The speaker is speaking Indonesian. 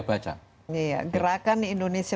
baca iya gerakan indonesia